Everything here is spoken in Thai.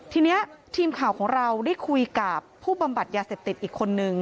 ทีนี้ทีมข่าวของเราได้คุยกับผู้บำบัดยาเสพติดอีกคนนึง